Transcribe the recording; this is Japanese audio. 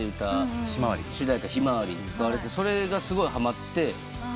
『ひまわり』『ひまわり』使われてそれがすごいはまって。